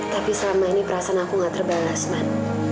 tapi selama ini perasaan aku gak terbalas man